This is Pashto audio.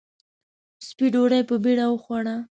سپۍ ډوډۍ په بېړه وخوړه.